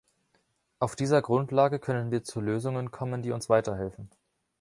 Auf dieser Grundlage können wir zu Lösungen kommen, die uns weiterhelfen.